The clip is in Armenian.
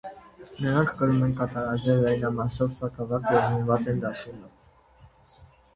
Նրանք կրում են կատարաձև վերնամասով սաղավարտ և զինված են դաշույնով։